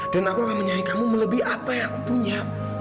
dan aku akan menyayangi kamu melebih apa yang aku punya